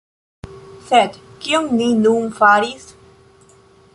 Sed kion ni nun faris?